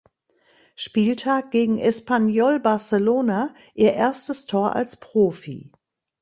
Spieltag gegen Espanyol Barcelona ihr erstes Tor als Profi.